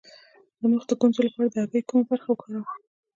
د مخ د ګونځو لپاره د هګۍ کومه برخه وکاروم؟